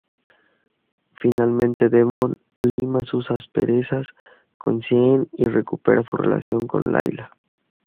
Finalmente Devon lima sus asperezas con Sean y recupera su relación con Laila.